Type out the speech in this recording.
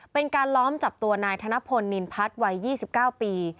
เป็นการล้อมจับตัวนายธนพลนินพัฒน์วัย๒๙ปี